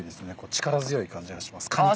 力強い感じがします